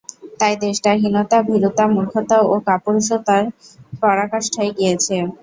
তাই দেশটা হীনতা, ভীরুতা, মূর্খতা ও কাপুরুষতার পরাকাষ্ঠায় গিয়েছে।